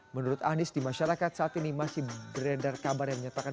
menurut anies di masyarakat saat ini masih beredar kabar yang menyatakan